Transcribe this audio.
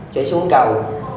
chạy xuống cầu